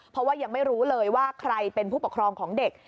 เพราะว่ายังไม่รู้เลยว่าใครเป็นผู้ปกครองของเด็ก